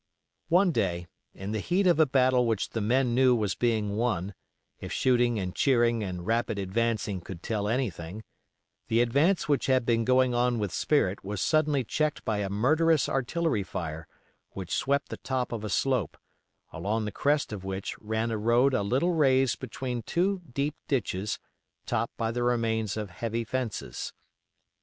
One day, in the heat of a battle which the men knew was being won, if shooting and cheering and rapid advancing could tell anything, the advance which had been going on with spirit was suddenly checked by a murderous artillery fire which swept the top of a slope, along the crest of which ran a road a little raised between two deep ditches topped by the remains of heavy fences.